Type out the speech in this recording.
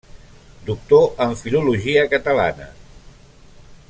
Doctor en Filologia Catalana.